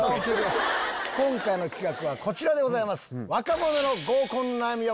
今回の企画はこちらでございます。